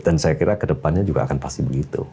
dan saya kira kedepannya juga akan pasti begitu